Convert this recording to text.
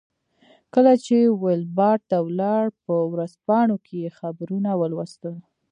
کله چې ویلباډ ته ولاړ په ورځپاڼو کې یې خبرونه ولوستل.